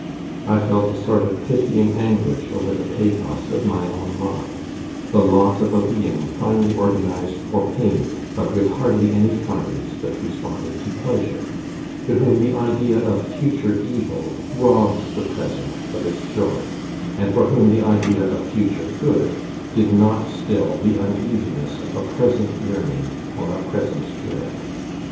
I felt a sort of pitying anguish over the pathos of my own lot: the lot of a being finely organized for pain, but with hardly any fibres that responded to pleasure to whom the idea of future evil robbed the present of its joy, and for whom the idea of future good did not still the uneasiness of a present yearning or a present dread.